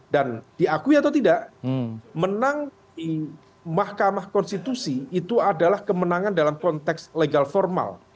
dan diakui atau tidak menang di mahkamah konstitusi itu adalah kemenangan dalam konteks legal formal